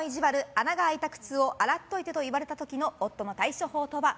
穴が開いた靴を洗っといてと言われた時の夫の対処法とは？